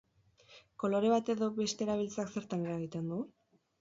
Kolore bat edo beste erabiltzeak zertan eragiten du?